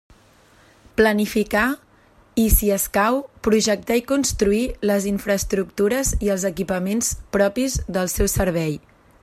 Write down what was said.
Planificar i, si escau, projectar i construir, les infraestructures i els equipaments propis del seu servei.